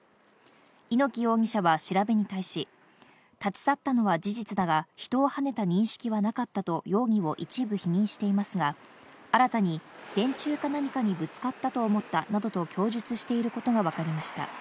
猪木容疑者は調べに対し、立ち去ったのは事実だが、人をはねた認識はなかったと容疑を一部否認していますが、新たに電柱か何かにぶつかったと思ったなどと供述していることがわかりました。